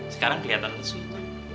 sekarang kelihatan lebih senang